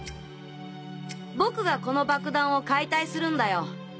僕がこの爆弾を解体するんだよ！